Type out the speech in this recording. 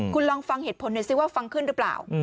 คุณลองฟังเหตุผลหน่อยสิว่าฟังขึ้นหรือเปล่า